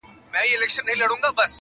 ځئ چي باطل پسي د عدل زولنې و باسو,